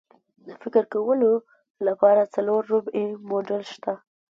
د فکر کولو لپاره څلور ربعي موډل شته.